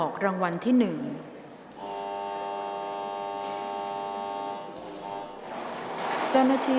ออกรางวัลเลขหน้า๓ตัวครั้งที่๒